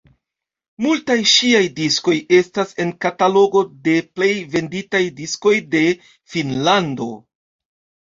Multaj ŝiaj diskoj estas en katalogo de plej venditaj diskoj de Finnlando.